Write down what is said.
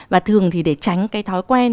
và thường thì để tránh cái thói quen